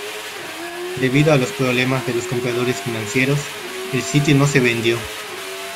Debido a los problemas de los compradores financieros, el sitio no se vendió.